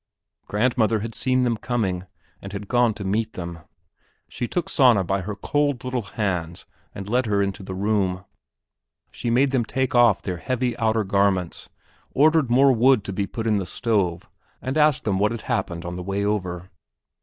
Grandmother had seen them coming and had gone to meet them. She took Sanna by her cold little hands and led her into the room. She made them take off their heavy outer garments, ordered more wood to be put in the stove, and asked them what had happened on the way over.